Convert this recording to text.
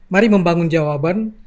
mari membangun jawaban